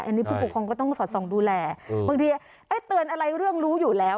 อันนี้ผู้ปกครองก็ต้องสอดส่องดูแลบางทีเตือนอะไรเรื่องรู้อยู่แล้ว